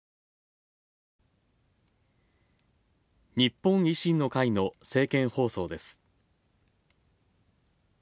日本維新の会の政見放送です。